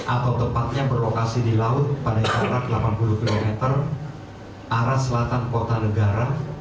atau tepatnya berlokasi di laut pada jarak delapan puluh km arah selatan kota negara